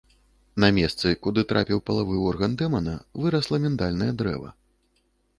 На месцы, куды трапіў палавы орган дэмана вырасла міндальнае дрэва.